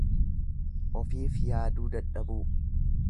Ofiif yaaduu dadhabuu.